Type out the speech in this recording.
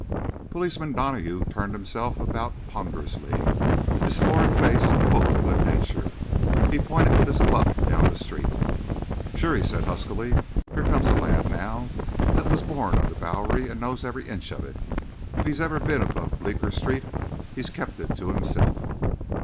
Policeman Donahue turned himself about ponderously, his florid face full of good nature. He pointed with his club down the street. "Sure!" he said huskily. "Here comes a lad now that was born on the Bowery and knows every inch of it. If he's ever been above Bleecker street he's kept it to himself."